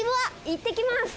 いってきます！